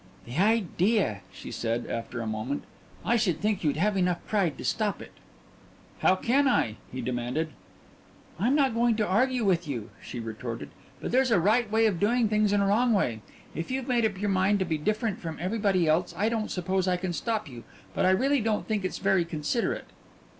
"The idea," she said, and after a moment: "I should think you'd have enough pride to stop it." "How can I?" he demanded. "I'm not going to argue with you," she retorted. "But there's a right way of doing things and a wrong way. If you've made up your mind to be different from everybody else, I don't suppose I can stop you, but I really don't think it's very considerate."